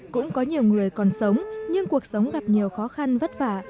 cũng có nhiều người còn sống nhưng cuộc sống gặp nhiều khó khăn vất vả